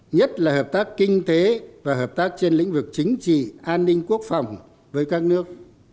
nhất là hợp tác kinh tế và hợp tác trên lĩnh vực chính trị an ninh quốc phòng với các nước